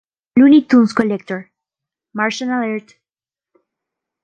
Looney Tunes Collector: Martian Alert!